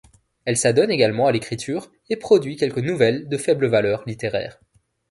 Elle s'adonne également à l'écriture et produit quelques nouvelles de faible valeur littéraire.